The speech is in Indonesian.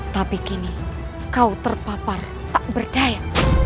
tapi kini kau terpapar tak percaya